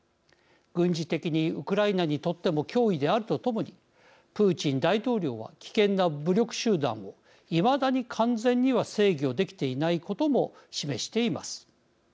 軍事的にウクライナにとっても脅威であるとともにプーチン大統領は危険な武力集団をいまだに完全には制御できていないことも示しています。